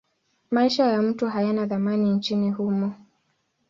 Maisha ya mtu hayana thamani nchini humo.